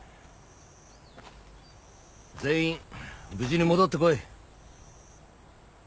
全員無事に戻ってこい。